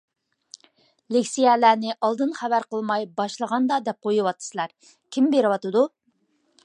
لېكسىيەلەرنى ئالدىن خەۋەر قىلماي باشلىغاندا دەپ قويۇۋاتىسىلەر. كىم بېرىۋاتىدۇ؟